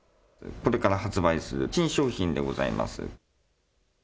これから発売する新商品でございます。